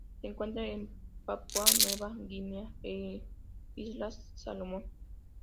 Se encuentra en Papúa Nueva Guinea e Islas Salomón.